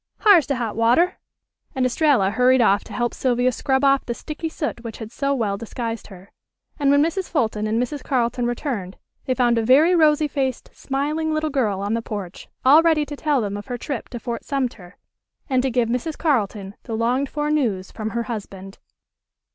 H'ar's de hot water," and Estralla hurried off to help Sylvia scrub off the sticky soot which had so well disguised her; and when Mrs. Fulton and Mrs. Carleton returned they found a very rosy faced smiling little girl on the porch all ready to tell them of her trip to Fort Sumter, and to give Mrs. Carleton the longed for news from her husband.